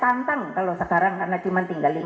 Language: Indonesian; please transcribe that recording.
tantang kalau sekarang karena cuma tinggal